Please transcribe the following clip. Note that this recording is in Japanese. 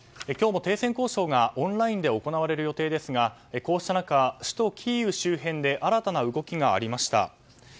今日も停戦交渉がオンラインで行われる予定ですがこうした中、首都キーウ周辺で新たな動きがありました。